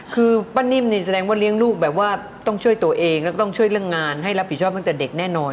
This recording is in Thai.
คือป้านิ่มนี่แสดงว่าเลี้ยงลูกแบบว่าต้องช่วยตัวเองแล้วก็ต้องช่วยเรื่องงานให้รับผิดชอบตั้งแต่เด็กแน่นอน